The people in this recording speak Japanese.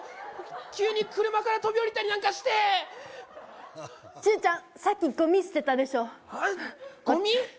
急に車から飛び降りたりなんかして周ちゃんさっきゴミ捨てたでしょゴミ？